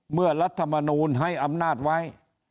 รัฐมนูลให้อำนาจไว้